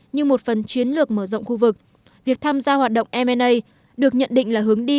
như một phần chiến lược mở rộng khu vực việc tham gia hoạt động m a được nhận định là hướng đi